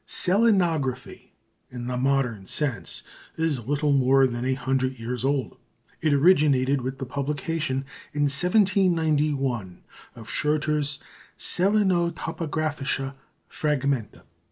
Selenography, in the modern sense, is little more than a hundred years old. It originated with the publication in 1791 of Schröter's Selenotopographische Fragmente.